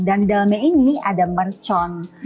dan dalamnya ini ada mercon